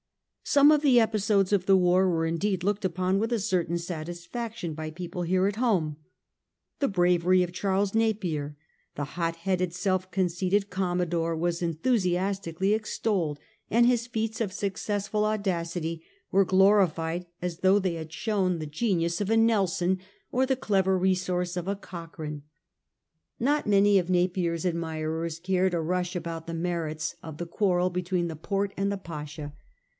Some of the episodes of the war were indeed looked upon with a certain satisfaction by people here at home. The bravery of Charles Napier, the hot headed self conceited commodore, was enthu siastically extolled, and his feats of successful auda city were glorified as though they had shown the 200 A HISTORY OF OUR OM TIMES. CH. IX. genius of a Nelson, or the clever resource of a Coch rane. Not many of Napier's admirers cared a rush about the merits of the quarrel between the Porte and the Pasha.